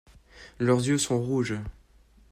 Leurs yeux sont rouges.